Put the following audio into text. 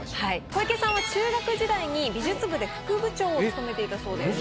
小池さんは中学時代に美術部で副部長を務めていたそうです。